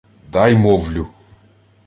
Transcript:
— Дай, мовлю!